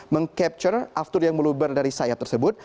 mengcapture after yang meluber dari sayap tersebut